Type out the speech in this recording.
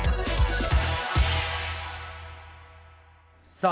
さあ